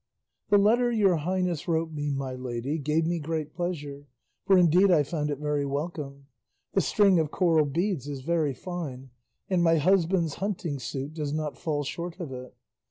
The letter your highness wrote me, my lady, gave me great pleasure, for indeed I found it very welcome. The string of coral beads is very fine, and my husband's hunting suit does not fall short of it.